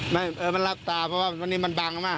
เออมันรักตาเพราะว่าวันนี้มันบังมาก